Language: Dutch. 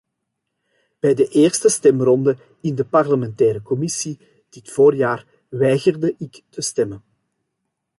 Bij de eerste stemronde in de parlementaire commissie, dit voorjaar, weigerde ik te stemmen.